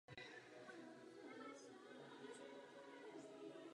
Později vystudoval magisterský titul na "School of Visual Art" v New Yorku.